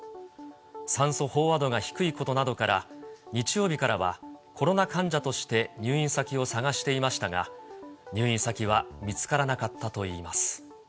酸素飽和度が低いことなどから、日曜日からはコロナ患者として入院先を探していましたが、入院先は見つからなかったといいます。